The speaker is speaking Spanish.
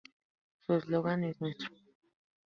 Su eslogan es: "Nuestro".